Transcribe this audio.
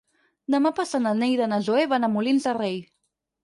Demà passat na Neida i na Zoè van a Molins de Rei.